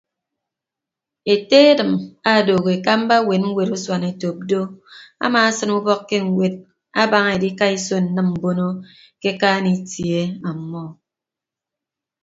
Ete edịm odooho ekamba ewet ñwet usuanetop do amaasịn ubọk ke ñwed abaña edikaiso nnịm mbono ke akaan itie ọmọ.